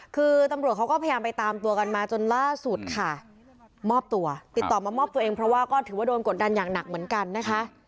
คือตำรวจเขาก็พยายามไปตามตัวกันมาจนล่าสุดค่ะมอบตัวติดต่อมามอบตัวเองเพราะว่าก็ถือว่าโดนกดดันอย่างหนักเหมือนกันนะคะ